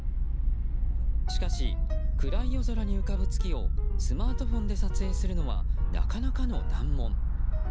しかし、暗い夜空に浮かぶ月をスマートフォンで撮影するのはなかなかの難問。